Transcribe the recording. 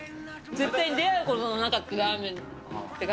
絶対出会うことのなかったラーメンって感じ。